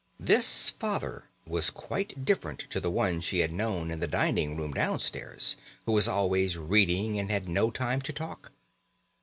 This father was quite different to the one she had known in the dining room downstairs, who was always reading and had no time to talk.